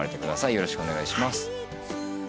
よろしくお願いします。